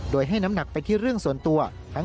โดยให้น้ำหนักไปที่เรื่องส่วนตัว